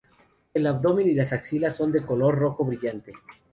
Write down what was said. El abdomen y las axilas son de color rojo brillante.